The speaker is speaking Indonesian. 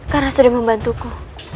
karena sudah membantuku